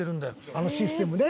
あのシステムで？